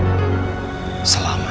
tapi kita juga terlambat